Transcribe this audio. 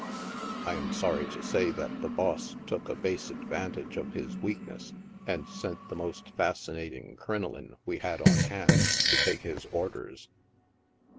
I am sorry to say that the boss took a base adwantage of his weakness, and sent the most fascinating crinoline we had on hand to take his orders.